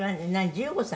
１５歳？」